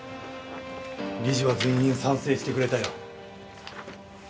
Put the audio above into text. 理事は全員賛成してくれたよ。